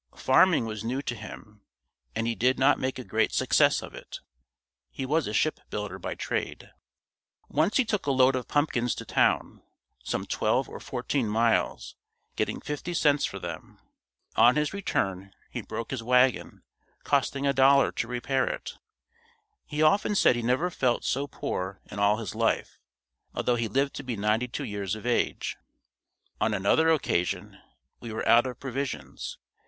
Farming was new to him and he did not make a great success of it. He was a ship builder by trade. Once he took a load of pumpkins to town, some twelve or fourteen miles, getting fifty cents for them. On his return he broke his wagon, costing a dollar to repair it. He often said he never felt so poor in all his life, although he lived to be ninety two years of age. On another occasion we were out of provisions.